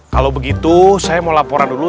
kalau begitu saya mau laporan dulu